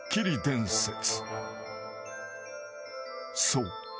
［そう。